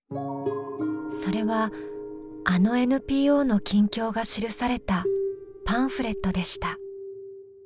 それはあのＮＰＯの近況が記されたパンフレットでした。